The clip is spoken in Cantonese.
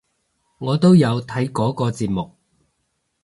我都有睇嗰個節目！